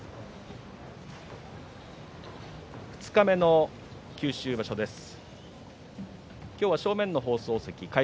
二日目の九州場所です。